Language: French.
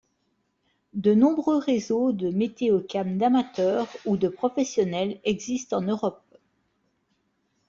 De nombreux réseaux de météocams d'amateurs ou de professionnels existent en Europe.